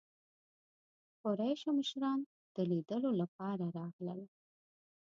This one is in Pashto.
قریشو مشران د لیدلو لپاره راغلل.